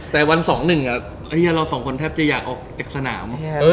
แต่วัน๒๑อันนี้เราสองคนแทบจะอยากออกจากสนาม